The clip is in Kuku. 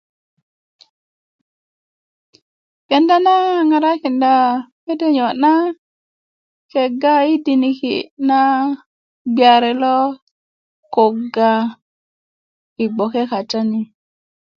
kenda na ŋarakinda mede niyo na kega i diniki na gbiari lo kuga i gboke katani